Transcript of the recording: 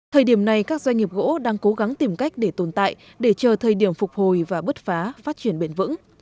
thời điểm này các doanh nghiệp gỗ đang cố gắng tìm cách để tồn tại để chờ thời điểm phục hồi và bứt phá phát triển bền vững